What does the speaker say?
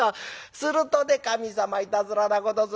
するとね神様いたずらなことするね。